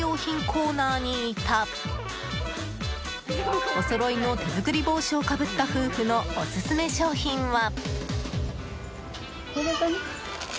コーナーにいたおそろいの手作り帽子をかぶった夫婦のオススメ商品は。